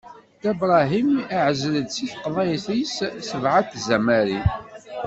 Dda Bṛahim iɛezl-d si tqeḍɛit-is sebɛa n tzamarin.